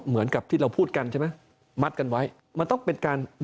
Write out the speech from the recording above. เหมือนกับที่เราพูดกันใช่ไหมมัดกันไว้มันต้องเป็นการ